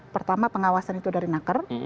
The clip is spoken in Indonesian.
pertama pengawasan itu dari naker